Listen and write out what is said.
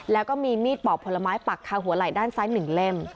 แล้วก็มีมีดปอกผลไม้ปักคาหัวไหล่ด้านซ้าย๑เล่ม